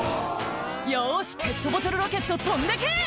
「よしペットボトルロケット飛んでけ！」